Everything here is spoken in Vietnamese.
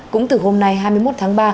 cũng từ hôm nay hai mươi một tháng ba